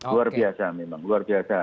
luar biasa memang luar biasa